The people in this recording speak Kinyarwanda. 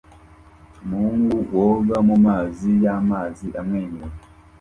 Umuhungu woga mumazi yamazi amwenyura